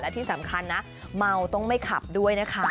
และที่สำคัญนะเมาต้องไม่ขับด้วยนะคะ